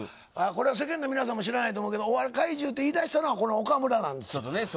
世間の皆さん知らんと思うけどお笑い怪獣と言い出したのはこの岡村なんです。